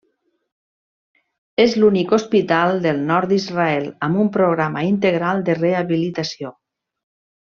És l'únic hospital del nord d'Israel amb un programa integral de rehabilitació.